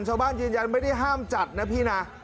ชาวบ้านยืนยันไม่ได้ห้ามจัดนะพี่นะ